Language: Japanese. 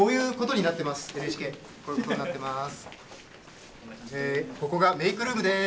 でここがメークルームです。